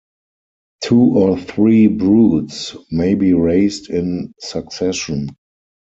Two or three broods may be raised in succession.